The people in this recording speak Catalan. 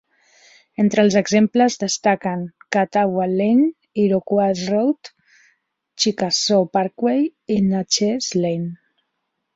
Entre els exemples destaquen Catawba Lane, Iroquois Road, Chickasaw Parkway i Natchez Lane.